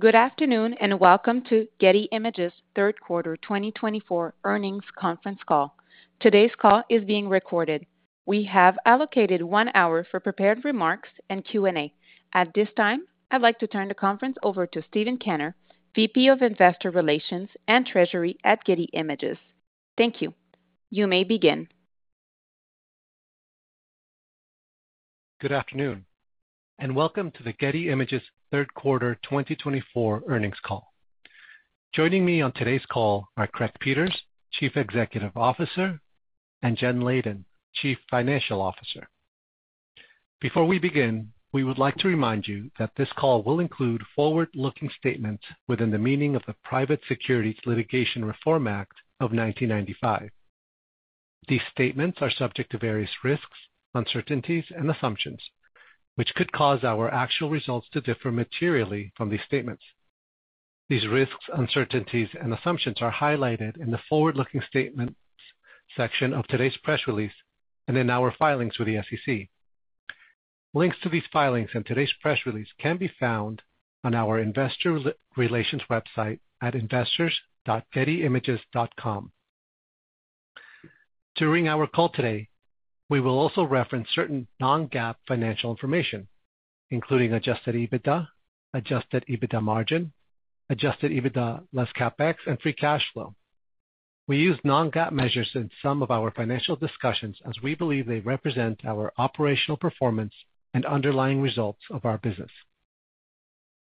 Good afternoon and welcome to Getty Images' Third Quarter 2024 Earnings Conference Call. Today's call is being recorded. We have allocated one hour for prepared remarks and Q&A. At this time, I'd like to turn the conference over to Steven Kanner, Vice President of Investor Relations and Treasury at Getty Images. Thank you. You may begin. Good afternoon and welcome to the Getty Images' Third Quarter 2024 Earnings Call. Joining me on today's call are Craig Peters, Chief Executive Officer, and Jen Leyden, Chief Financial Officer. Before we begin, we would like to remind you that this call will include forward-looking statements within the meaning of the Private Securities Litigation Reform Act of 1995. These statements are subject to various risks, uncertainties, and assumptions, which could cause our actual results to differ materially from these statements. These risks, uncertainties, and assumptions are highlighted in the forward-looking statements section of today's press release and in our filings for the SEC. Links to these filings and today's press release can be found on our Investor Relations website at investors.gettyimages.com. During our call today, we will also reference certain Non-GAAP financial information, including Adjusted EBITDA, Adjusted EBITDA Margin, Adjusted EBITDA less CapEx, and Free Cash Flow. We use non-GAAP measures in some of our financial discussions as we believe they represent our operational performance and underlying results of our business.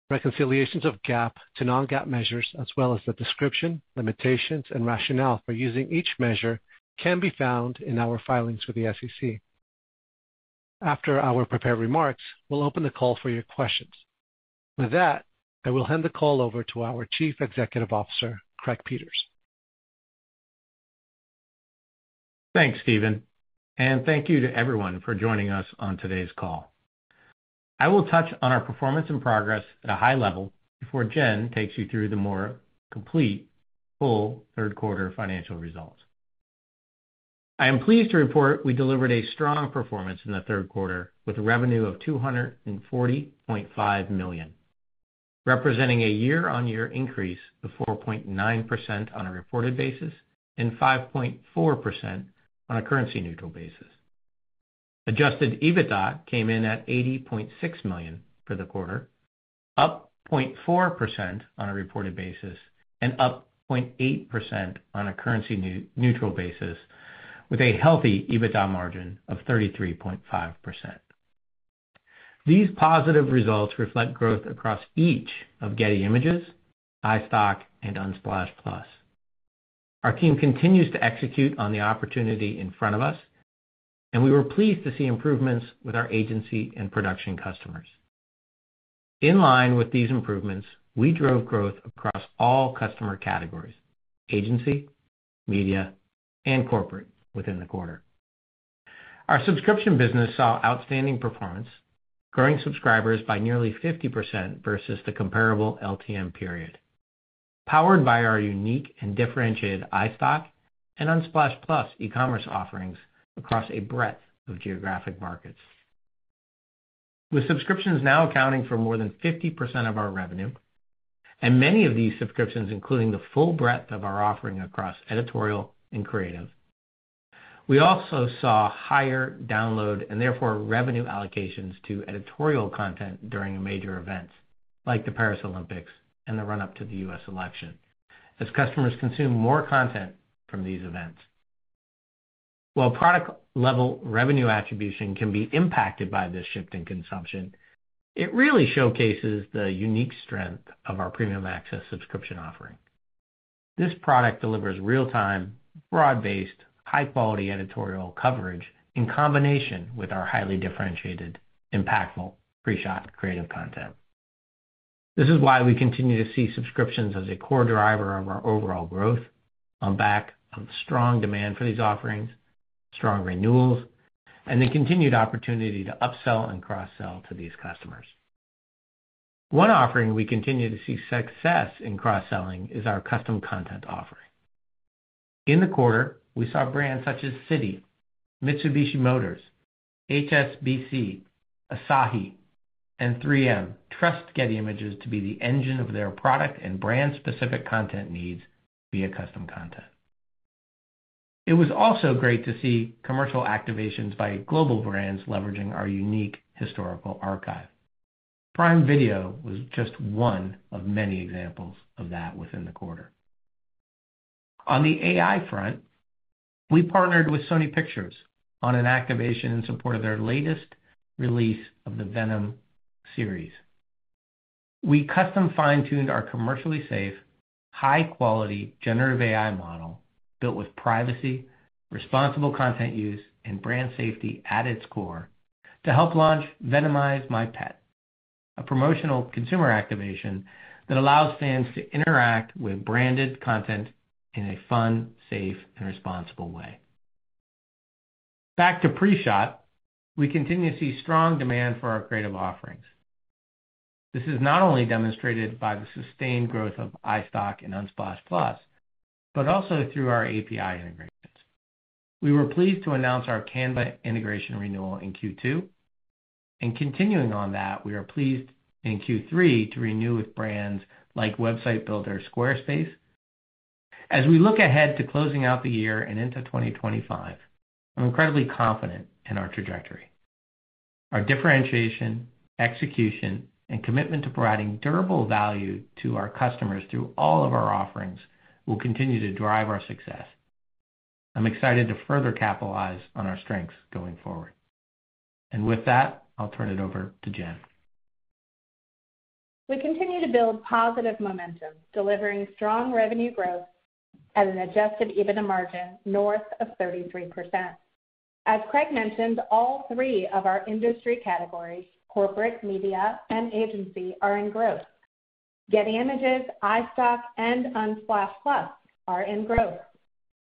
Reconciliations of GAAP to non-GAAP measures, as well as the description, limitations, and rationale for using each measure, can be found in our filings for the SEC. After our prepared remarks, we'll open the call for your questions. With that, I will hand the call over to our Chief Executive Officer, Craig Peters. Thanks, Steven, and thank you to everyone for joining us on today's call. I will touch on our performance and progress at a high level before Jen takes you through the more complete, full third quarter financial results. I am pleased to report we delivered a strong performance in the third quarter with a revenue of $240.5 million, representing a year-on-year increase of 4.9% on a reported basis and 5.4% on a currency-neutral basis. Adjusted EBITDA came in at $80.6 million for the quarter, up 0.4% on a reported basis and up 0.8% on a currency-neutral basis, with a healthy EBITDA margin of 33.5%. These positive results reflect growth across each of Getty Images, iStock, and Unsplash Plus. Our team continues to execute on the opportunity in front of us, and we were pleased to see improvements with our agency and production customers. In line with these improvements, we drove growth across all customer categories: agency, media, and corporate within the quarter. Our subscription business saw outstanding performance, growing subscribers by nearly 50% versus the comparable LTM period, powered by our unique and differentiated iStock and Unsplash Plus e-commerce offerings across a breadth of geographic markets. With subscriptions now accounting for more than 50% of our revenue, and many of these subscriptions, including the full breadth of our offering across editorial and creative, we also saw higher download and therefore revenue allocations to editorial content during major events like the Paris Olympics and the run-up to the U.S. election, as customers consumed more content from these events. While product-level revenue attribution can be impacted by this shift in consumption, it really showcases the unique strength of our Premium Access subscription offering. This product delivers real-time, broad-based, high-quality editorial coverage in combination with our highly differentiated, impactful, pre-shot creative content. This is why we continue to see subscriptions as a core driver of our overall growth, on back of strong demand for these offerings, strong renewals, and the continued opportunity to upsell and cross-sell to these customers. One offering we continue to see success in cross-selling is our custom content offering. In the quarter, we saw brands such as Citi, Mitsubishi Motors, HsBc, Asahi, and 3m trust Getty Images to be the engine of their product and brand-specific content needs via custom content. It was also great to see commercial activations by global brands leveraging our unique historical archive. Prime Video was just one of many examples of that within the quarter. On the AI front, we partnered with Sony Pictures on an activation in support of their latest release of the Venom series. We custom fine-tuned our commercially safe, high-quality generative AI model built with privacy, responsible content use, and brand safety at its core to help launch Venomize My Pet, a promotional consumer activation that allows fans to interact with branded content in a fun, safe, and responsible way. Back to pre-shot, we continue to see strong demand for our creative offerings. This is not only demonstrated by the sustained growth of iStock and Unsplash Plus, but also through our API integrations. We were pleased to announce our Canva integration renewal in Q2, and continuing on that, we are pleased in Q3 to renew with brands like website builder Squarespace. As we look ahead to closing out the year and into 2025, I'm incredibly confident in our trajectory. Our differentiation, execution, and commitment to providing durable value to our customers through all of our offerings will continue to drive our success. I'm excited to further capitalize on our strengths going forward. And with that, I'll turn it over to Jen. We continue to build positive momentum, delivering strong revenue growth and an Adjusted EBITDA margin north of 33%. As Craig mentioned, all three of our industry categories, corporate, media, and agency, are in growth. Getty Images, iStock, and Unsplash Plus are in growth.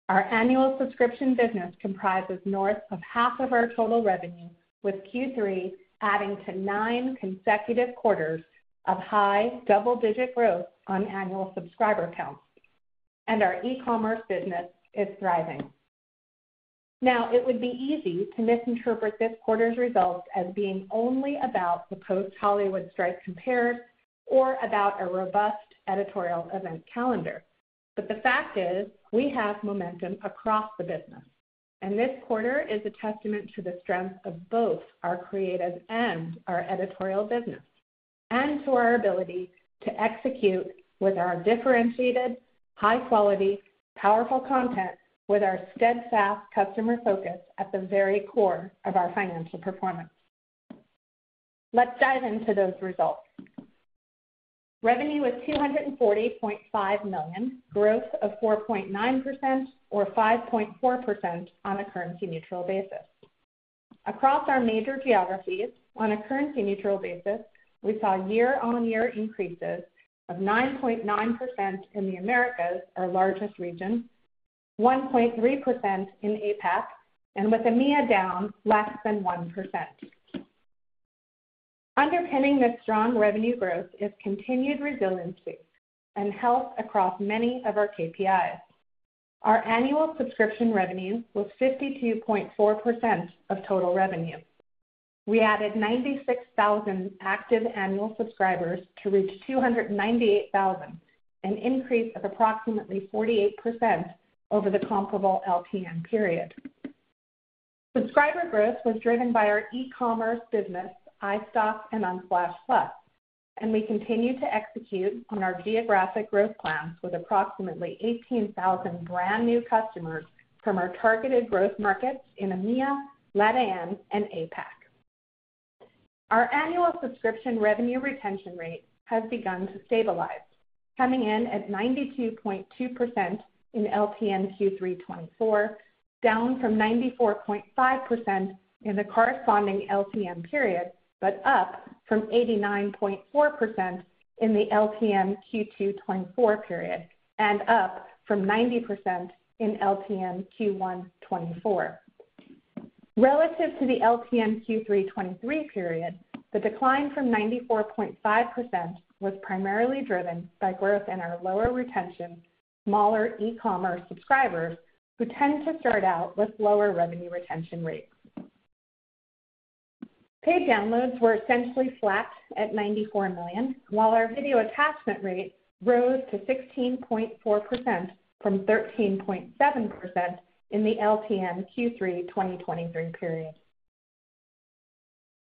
Our annual subscription business comprises north of half of our total revenue, with Q3 adding to nine consecutive quarters of high double-digit growth on annual subscriber counts, and our e-commerce business is thriving. Now, it would be easy to misinterpret this quarter's results as being only about the post-Hollywood strike compares or about a robust editorial event calendar, but the fact is, we have momentum across the business. This quarter is a testament to the strength of both our creative and our editorial business, and to our ability to execute with our differentiated, high-quality, powerful content, with our steadfast customer focus at the very core of our financial performance. Let's dive into those results. Revenue was $240.5 million, growth of 4.9% or 5.4% on a currency-neutral basis. Across our major geographies, on a currency-neutral basis, we saw year-on-year increases of 9.9% in the Americas, our largest region, 1.3% in APAC, and with EMEA down less than 1%. Underpinning this strong revenue growth is continued resiliency and health across many of our KPIs. Our annual subscription revenue was 52.4% of total revenue. We added 96,000 active annual subscribers to reach 298,000, an increase of approximately 48% over the comparable LTM period. Subscriber growth was driven by our e-commerce business, iStock and Unsplash Plus, and we continue to execute on our geographic growth plans with approximately 18,000 brand-new customers from our targeted growth markets in EMEA, LATAM, and APAC. Our annual subscription revenue retention rate has begun to stabilize, coming in at 92.2% in LTM Q3 2024, down from 94.5% in the corresponding LTM period, but up from 89.4% in the LTM Q2 2024 period, and up from 90% in LTM Q1 2024. Relative to the LTM Q3 2023 period, the decline from 94.5% was primarily driven by growth in our lower retention, smaller e-commerce subscribers who tend to start out with lower revenue retention rates. Paid downloads were essentially flat at $94 million, while our video attachment rate rose to 16.4% from 13.7% in the LTM Q3 2023 period.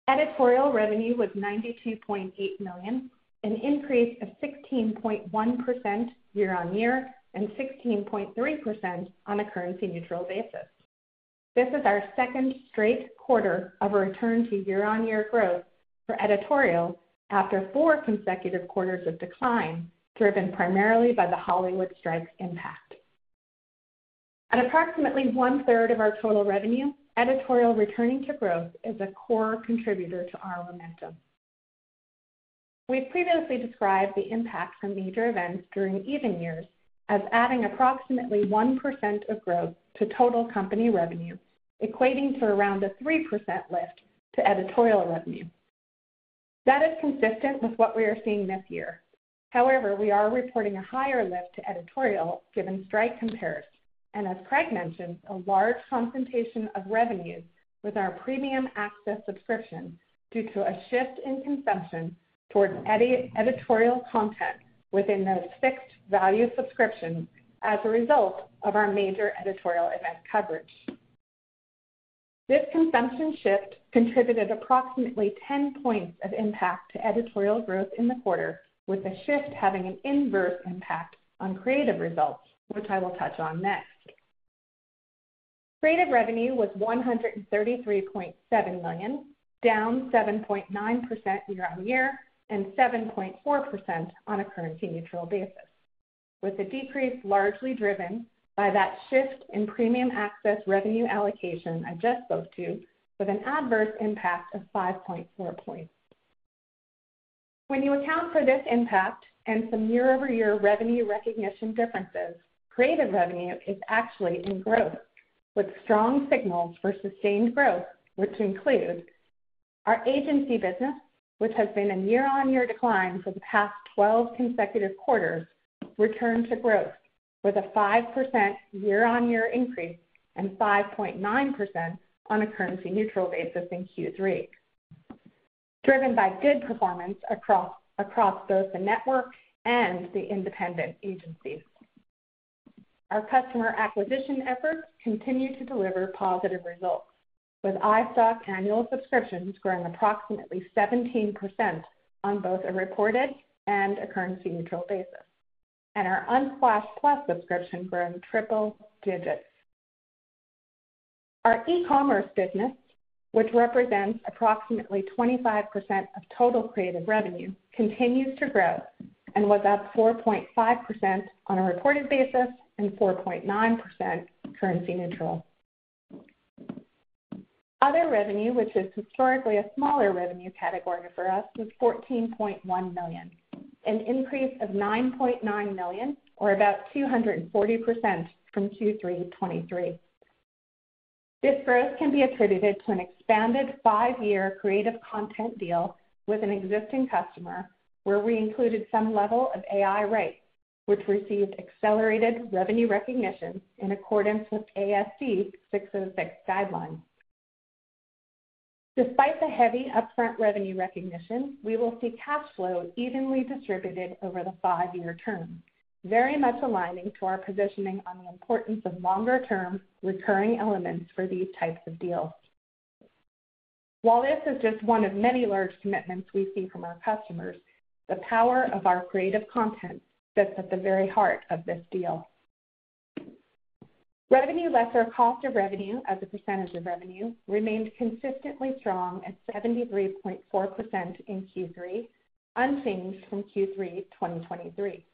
Editorial revenue was $92.8 million, an increase of 16.1% year-on-year and 16.3% on a currency-neutral basis. This is our second straight quarter of a return to year-on-year growth for editorial after four consecutive quarters of decline, driven primarily by the Hollywood strike impact. At approximately one-third of our total revenue, editorial returning to growth is a core contributor to our momentum. We've previously described the impact from major events during even years as adding approximately 1% of growth to total company revenue, equating to around a 3% lift to editorial revenue. That is consistent with what we are seeing this year. However, we are reporting a higher lift to editorial given strike compares, and as Craig mentioned, a large concentration of revenues with our Premium Access subscription due to a shift in consumption towards editorial content within those fixed value subscriptions as a result of our major editorial event coverage. This consumption shift contributed approximately 10 points of impact to editorial growth in the quarter, with the shift having an inverse impact on creative results, which I will touch on next. Creative revenue was $133.7 million, down 7.9% year-on-year and 7.4% on a currency-neutral basis, with a decrease largely driven by that shift in Premium Access revenue allocation I just spoke to, with an adverse impact of 5.4 points. When you account for this impact and some year-over-year revenue recognition differences, creative revenue is actually in growth, with strong signals for sustained growth, which include our agency business, which has been in year-on-year decline for the past 12 consecutive quarters, returned to growth with a 5% year-on-year increase and 5.9% on a currency-neutral basis in Q3, driven by good performance across both the network and the independent agencies. Our customer acquisition efforts continue to deliver positive results, with iStock annual subscriptions growing approximately 17% on both a reported and a currency-neutral basis, and our Unsplash Plus subscription growing triple digits. Our e-commerce business, which represents approximately 25% of total creative revenue, continues to grow and was up 4.5% on a reported basis and 4.9% currency-neutral. Other revenue, which is historically a smaller revenue category for us, was $14.1 million, an increase of $9.9 million or about 240% from Q3 2023. This growth can be attributed to an expanded five-year creative content deal with an existing customer, where we included some level of AI rights, which received accelerated revenue recognition in accordance with ASC 606 guidelines. Despite the heavy upfront revenue recognition, we will see cash flow evenly distributed over the five-year term, very much aligning to our positioning on the importance of longer-term recurring elements for these types of deals. While this is just one of many large commitments we see from our customers, the power of our creative content sits at the very heart of this deal. Revenue less cost of revenue as a percentage of revenue remained consistently strong at 73.4% in Q3, unchanged from Q3 2023.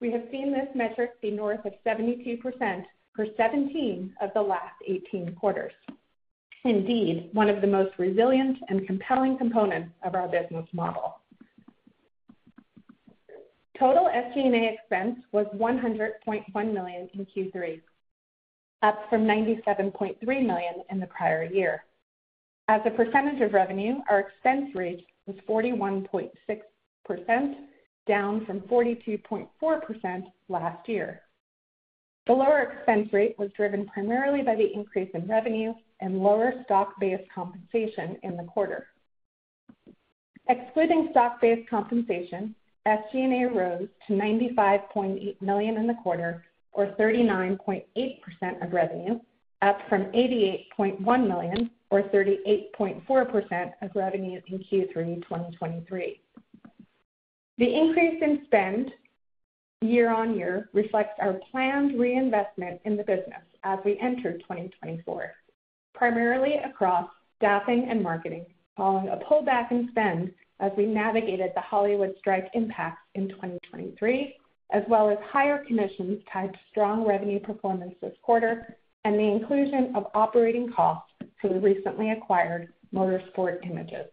We have seen this metric be north of 72% for 17 of the last 18 quarters. Indeed, one of the most resilient and compelling components of our business model. Total SG&A expense was $100.1 million in Q3, up from $97.3 million in the prior year. As a percentage of revenue, our expense rate was 41.6%, down from 42.4% last year. The lower expense rate was driven primarily by the increase in revenue and lower stock-based compensation in the quarter. Excluding stock-based compensation, SG&A rose to $95.8 million in the quarter, or 39.8% of revenue, up from $88.1 million or 38.4% of revenue in Q3 2023. The increase in spend year-on-year reflects our planned reinvestment in the business as we enter 2024, primarily across staffing and marketing, following a pullback in spend as we navigated the Hollywood strike impacts in 2023, as well as higher commissions tied to strong revenue performance this quarter and the inclusion of operating costs for the recently acquired Motorsport Images.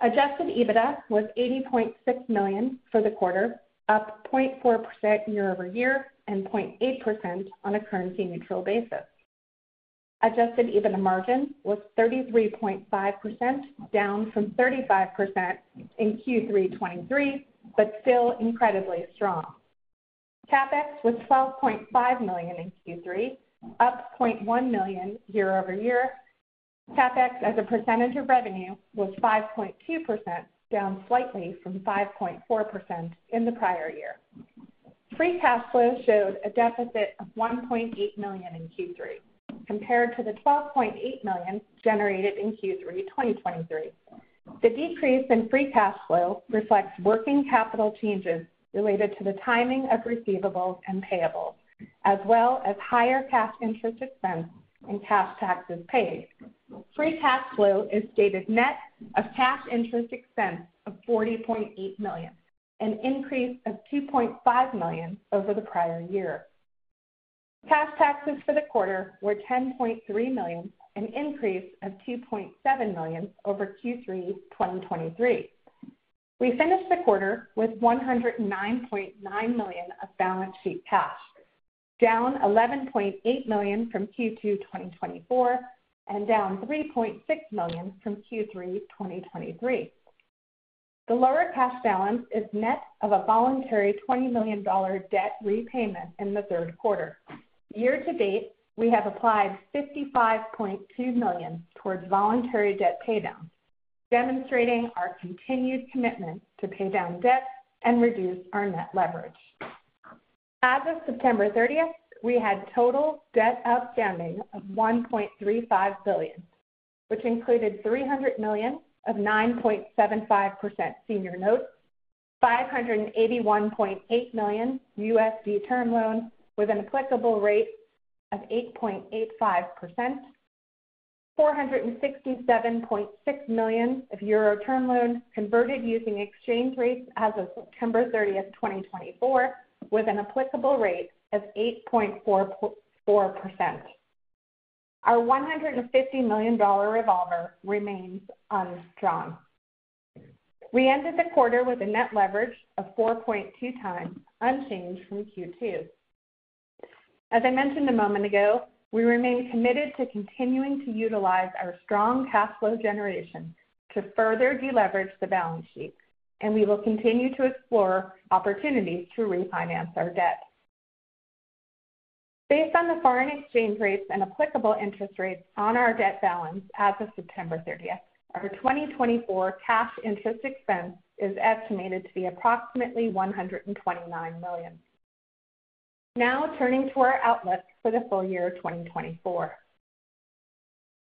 Adjusted EBITDA was $80.6 million for the quarter, up 0.4% year-over-year and 0.8% on a currency-neutral basis. Adjusted EBITDA margin was 33.5%, down from 35% in Q3 2023, but still incredibly strong. CapEx was $12.5 million in Q3, up $0.1 million year-over-year. CapEx as a percentage of revenue was 5.2%, down slightly from 5.4% in the prior year. Free cash flow showed a deficit of $1.8 million in Q3 compared to the $12.8 million generated in Q3 2023. The decrease in free cash flow reflects working capital changes related to the timing of receivables and payables, as well as higher cash interest expense and cash taxes paid. Free cash flow is stated net of cash interest expense of $40.8 million, an increase of $2.5 million over the prior year. Cash taxes for the quarter were $10.3 million, an increase of $2.7 million over Q3 2023. We finished the quarter with $109.9 million of balance sheet cash, down $11.8 million from Q2 2024 and down $3.6 million from Q3 2023. The lower cash balance is net of a voluntary $20 million debt repayment in the third quarter. Year to date, we have applied $55.2 million towards voluntary debt paydowns, demonstrating our continued commitment to pay down debt and reduce our net leverage. As of September 30th, we had total debt outstanding of $1.35 billion, which included $300 million of 9.75% senior notes, $581.8 million term loan with an applicable rate of 8.85%, 467.6 million euro term loan converted using exchange rates as of September 30th, 2024, with an applicable rate of 8.44%. Our $150 million revolver remains undrawn. We ended the quarter with a net leverage of 4.2 times, unchanged from Q2. As I mentioned a moment ago, we remain committed to continuing to utilize our strong cash flow generation to further deleverage the balance sheet, and we will continue to explore opportunities to refinance our debt. Based on the foreign exchange rates and applicable interest rates on our debt balance as of September 30th, our 2024 cash interest expense is estimated to be approximately $129 million. Now turning to our outlook for the full year 2024.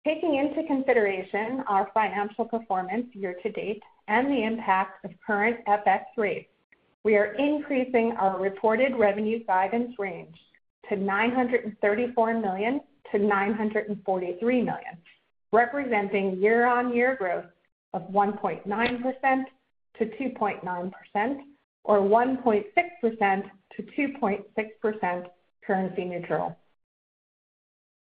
Taking into consideration our financial performance year to date and the impact of current FX rates, we are increasing our reported revenue guidance range to $934 million-$943 million, representing year-on-year growth of 1.9%-2.9% or 1.6%-2.6% currency-neutral.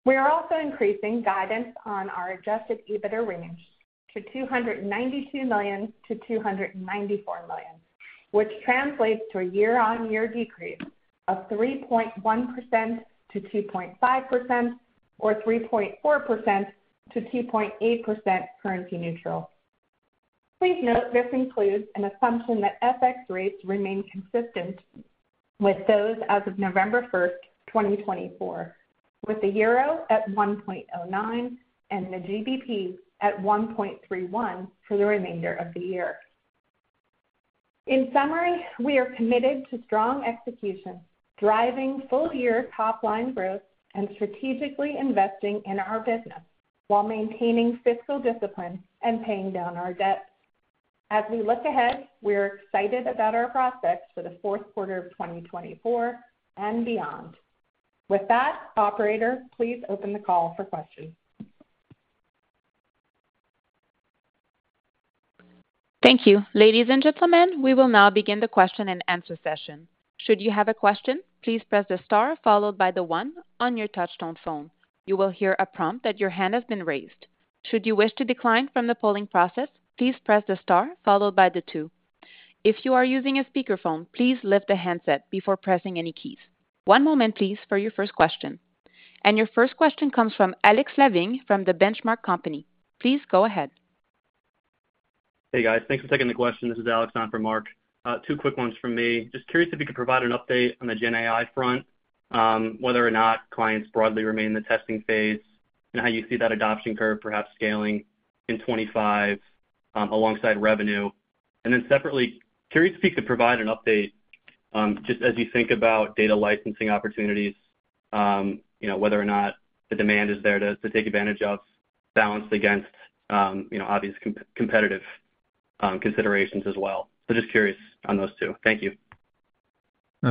We are also increasing guidance on our Adjusted EBITDA range to $292 million-$294 million, which translates to a year-on-year decrease of 3.1%-2.5% or 3.4%-2.8% currency-neutral. Please note this includes an assumption that FX rates remain consistent with those as of November 1st, 2024, with the Euro at 1.09 and the GBP at 1.31 for the remainder of the year. In summary, we are committed to strong execution, driving full-year top-line growth and strategically investing in our business while maintaining fiscal discipline and paying down our debt. As we look ahead, we are excited about our prospects for the fourth quarter of 2024 and beyond. With that, operator, please open the call for questions. Thank you. Ladies and gentlemen, we will now begin the question and answer session. Should you have a question, please press the star followed by the one on your touch-tone phone. You will hear a prompt that your hand has been raised. Should you wish to decline from the polling process, please press the star followed by the two. If you are using a speakerphone, please lift the handset before pressing any keys. One moment, please, for your first question. And your first question comes from Alex Levin from The Benchmark Company. Please go ahead. Hey, guys. Thanks for taking the question. This is Alex on for Mark. Two quick ones from me. Just curious if you could provide an update on the GenAI front, whether or not clients broadly remain in the testing phase and how you see that adoption curve perhaps scaling in 2025 alongside revenue. And then separately, curious if you could provide an update just as you think about data licensing opportunities, whether or not the demand is there to take advantage of balanced against obvious competitive considerations as well. So just curious on those two. Thank you.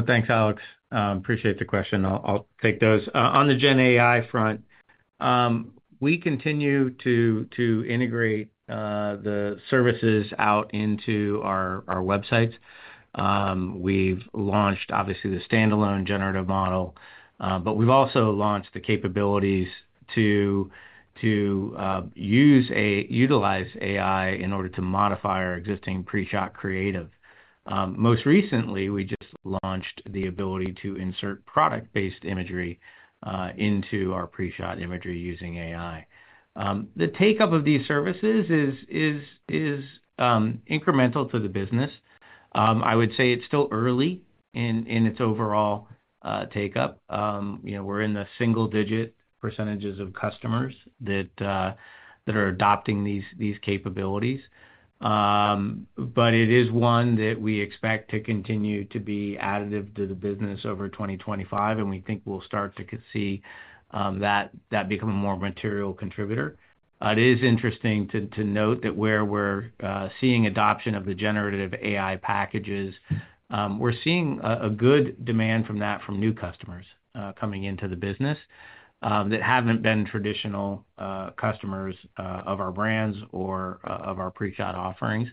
Thanks, Alex. Appreciate the question. I'll take those. On the GenAI front, we continue to integrate the services out into our websites. We've launched, obviously, the standalone generative model, but we've also launched the capabilities to utilize AI in order to modify our existing pre-shot creative. Most recently, we just launched the ability to insert product-based imagery into our pre-shot imagery using AI. The take-up of these services is incremental to the business. I would say it's still early in its overall take-up. We're in the single-digit percentages of customers that are adopting these capabilities. But it is one that we expect to continue to be additive to the business over 2025, and we think we'll start to see that become a more material contributor. It is interesting to note that where we're seeing adoption of the generative AI packages, we're seeing a good demand from that from new customers coming into the business that haven't been traditional customers of our brands or of our pre-shot offerings,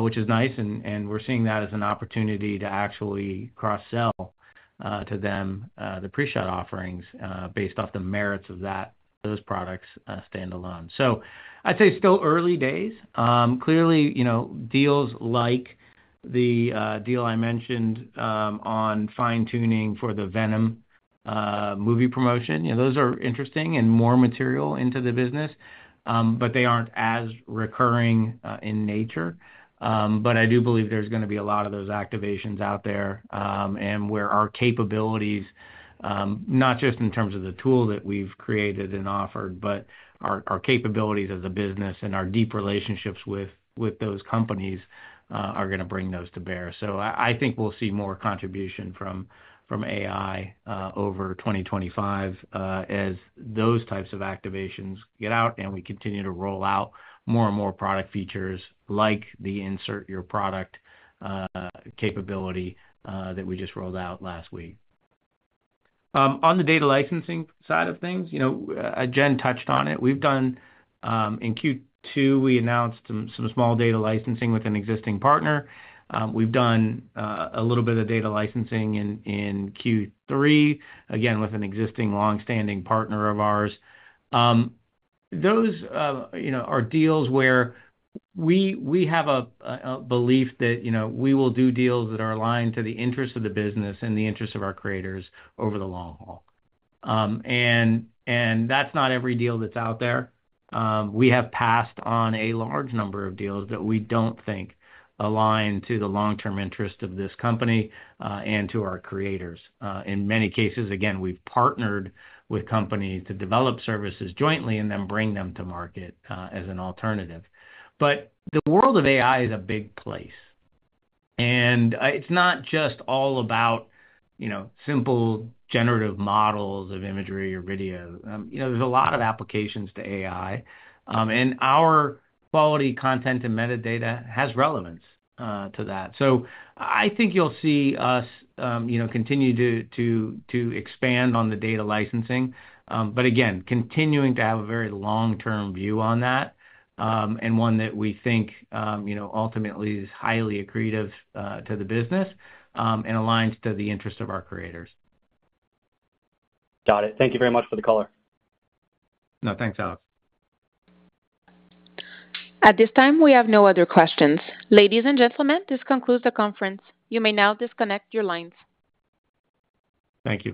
which is nice. And we're seeing that as an opportunity to actually cross-sell to them the pre-shot offerings based off the merits of those products standalone. So I'd say still early days. Clearly, deals like the deal I mentioned on fine-tuning for the Venom movie promotion, those are interesting and more material into the business, but they aren't as recurring in nature. But I do believe there's going to be a lot of those activations out there and where our capabilities, not just in terms of the tool that we've created and offered, but our capabilities as a business and our deep relationships with those companies are going to bring those to bear. So I think we'll see more contribution from AI over 2025 as those types of activations get out and we continue to roll out more and more product features like the Insert Your Product capability that we just rolled out last week. On the data licensing side of things, Jen touched on it. In Q2, we announced some small data licensing with an existing partner. We've done a little bit of data licensing in Q3, again, with an existing long-standing partner of ours. Those are deals where we have a belief that we will do deals that are aligned to the interests of the business and the interests of our creators over the long haul. And that's not every deal that's out there. We have passed on a large number of deals that we don't think align to the long-term interests of this company and to our creators. In many cases, again, we've partnered with companies to develop services jointly and then bring them to market as an alternative. But the world of AI is a big place. And it's not just all about simple generative models of imagery or video. There's a lot of applications to AI. And our quality content and metadata has relevance to that. So I think you'll see us continue to expand on the data licensing. But again, continuing to have a very long-term view on that and one that we think ultimately is highly accretive to the business and aligns to the interests of our creators. Got it. Thank you very much for the caller. No, thanks, Alex. At this time, we have no other questions. Ladies and gentlemen, this concludes the conference. You may now disconnect your lines. Thank you.